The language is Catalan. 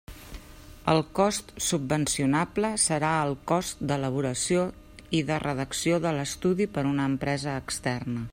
El cost subvencionable serà el cost d'elaboració i de redacció de l'estudi per una empresa externa.